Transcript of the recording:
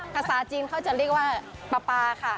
ภาษาจีนเขาจะเรียกว่าปลาปลาค่ะ